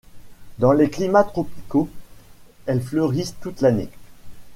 Dans les climats tropicaux, elles fleurissent toute l'année.